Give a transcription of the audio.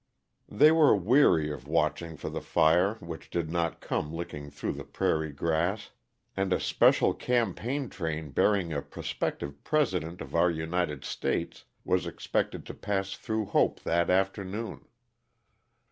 They were weary of watching for the fire which did not come licking through the prairie grass, and a special campaign train bearing a prospective President of our United States was expected to pass through Hope that afternoon.